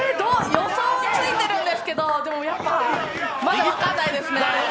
予想ついてるんですけど、でもやっぱまだ分からないですね。